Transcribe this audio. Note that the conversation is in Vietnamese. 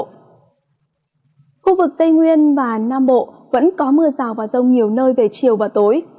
khu vực tây nguyên và nam bộ vẫn có mưa rào và rông nhiều nơi về chiều và tối